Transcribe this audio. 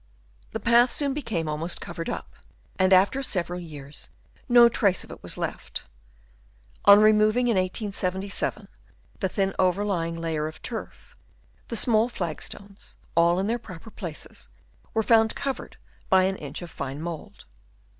The path soon became almost covered up, and after several years no trace of it was left. On removing, in 1877, the thin over M 148 AMOUNT OF EAETH Chap. III. lying layer of turf, the small flag stones, all in their proper places, were found covered by an inch of fine mould.